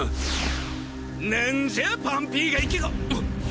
なんじゃパンピーがいきがっ。